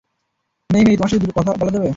মেই-মেই, তোমার সাথে দুটো কথা বলা যাবে?